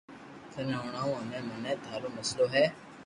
توئي ھڻاو ھمي مني ٿارو مئسلو ھي